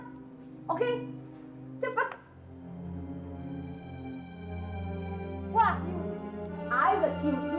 kamu apa yang kamu lakukan di sana